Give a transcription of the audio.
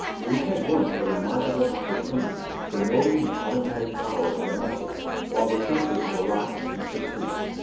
We had once a remarkable opportunity for noting the auto matic power of the muscles while the senses were locked in deep est sleep.